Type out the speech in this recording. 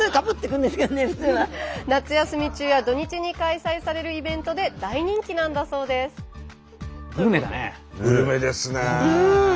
夏休み中や土日に開催されるイベントで大人気なんだそうです。